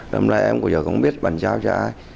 tâm lại em cũng giờ không biết bản giao cho ai